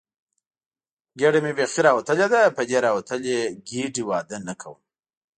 ګېډه مې بیخي راوتلې ده، په دې راوتلې ګېډې واده نه کوم.